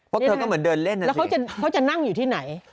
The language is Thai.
เพราะเธอก็เหมือนเดินเล่นแล้วเขาจะนั่งอยู่ที่ไหน